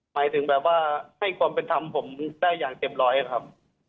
หมายถึงแบบว่าให้ความเป็นธรรมผมได้อย่างเต็มร้อยครับ